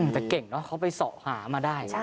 แต่เก่งนะเขาไปสอหามาได้